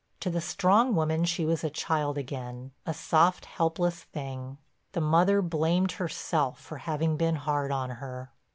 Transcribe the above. To the strong woman she was a child again, a soft, helpless thing. The mother blamed herself for having been hard on her.